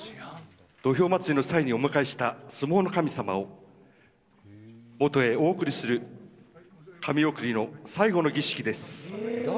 土俵祭りの際にお迎えした相撲の神様を元へお送りする神送りの最後の儀式です。